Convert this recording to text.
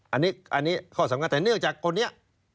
อันนี้ข้อสำคัญแต่เนื่องจากคนนี้